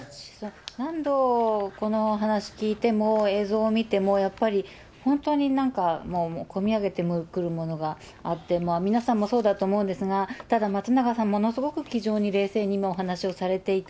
何度この話聞いても、映像を見ても、やっぱり本当になんか、こみ上げてくるものがあって、皆さんもそうだと思うんですが、ただ松永さん、ものすごく気丈に冷静にお話をされていて、